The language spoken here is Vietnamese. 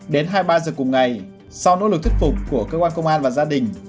đến hai mươi ba giờ cùng ngày sau nỗ lực thuyết phục của cơ quan công an và gia đình